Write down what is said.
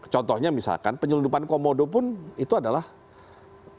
contohnya misalkan penyelundupan komodo pun itu adalah penyelundupan artinya